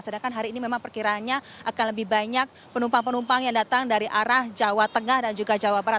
sedangkan hari ini memang perkiranya akan lebih banyak penumpang penumpang yang datang dari arah jawa tengah dan juga jawa barat